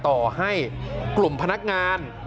ต่อให้กลุ่มพนักงาน